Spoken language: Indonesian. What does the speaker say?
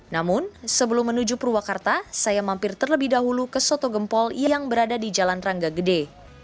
namun sebelum menuju purwakarta saya mampir terlebih dahulu ke soto gempol yang berada di jalan rangga gede